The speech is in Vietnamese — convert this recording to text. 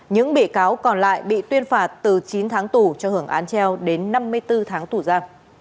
những bị cáo còn lại bị tuyên phạt từ chín tháng tù cho hưởng án treo đến năm mươi bốn tháng tù ra